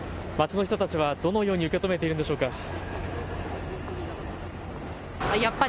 街の人たちはどのように受け止めているんでしょうか。